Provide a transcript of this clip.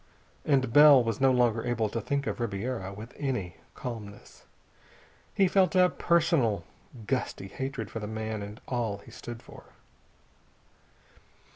And Bell was no longer able to think of Ribiera with any calmness. He felt a personal, gusty hatred for the man and all he stood for.